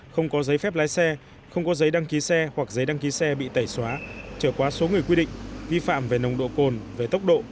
không có giấy phép lái xe không có giấy đăng ký xe hoặc giấy đăng ký xe bị tẩy xóa trở quá số người quy định vi phạm về nồng độ cồn về tốc độ